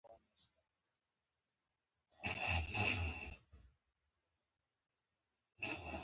دا لید د ستونزې حل لا پیچلی کوي.